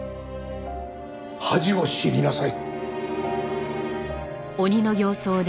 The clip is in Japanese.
恥を知りなさい。